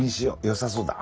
よさそうだ。